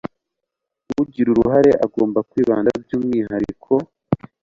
ugira uruhare agomba kwibanda by umwihariko